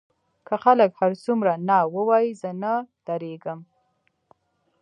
که خلک هر څومره نه ووايي زه نه درېږم.